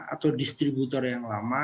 atau distributor yang lama